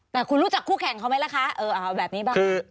แต่คุณรู้จักคู่แข่งเขาไหมล่ะคะเออเอาแบบนี้บ้าง